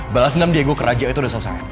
balas dendam diego ke raja itu udah selesai